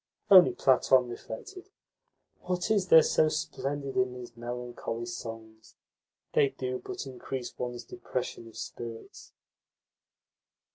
Only Platon reflected: "What is there so splendid in these melancholy songs? They do but increase one's depression of spirits."